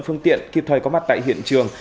phương tiện kịp thời có mặt tại hiện trường